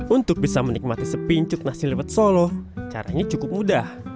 untuk bisa menikmati sepincuk nasi liwet solo caranya cukup mudah